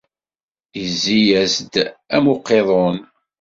Izzi-as-d am uqiḍun.